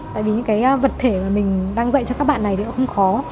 tại vì những cái vật thể mà mình đang dạy cho các bạn này thì cũng không khó